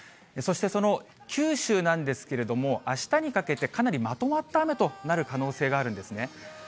そして、その九州なんですけれども、あしたにかけてかなりまとまった雨となる可能性があるんですね。